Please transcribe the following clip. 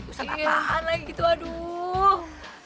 pesan apaan lagi itu aduh